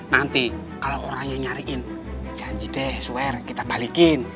nanti kalau orangnya nyariin janji deh swear kita balikin